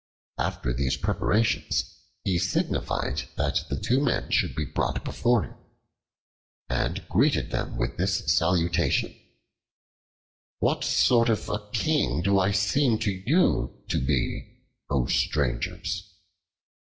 After these preparations he signified that the two men should be brought before him, and greeted them with this salutation: "What sort of a king do I seem to you to be, O strangers?"